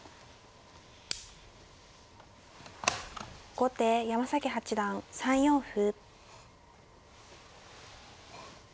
後手山崎八段３四歩。